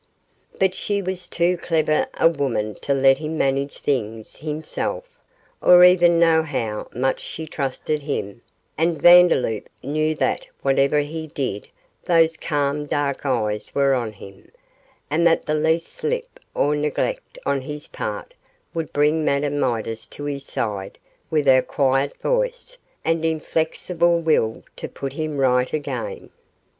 But she was too clever a woman to let him manage things himself, or even know how much she trusted him; and Vandeloup knew that whatever he did those calm dark eyes were on him, and that the least slip or neglect on his part would bring Madame Midas to his side with her quiet voice and inflexible will to put him right again.